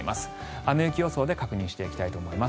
雨・雪予想で確認していきたいと思います。